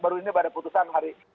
baru ini pada putusan hari